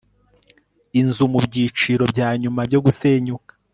inzu mubyiciro byanyuma byo gusenyuka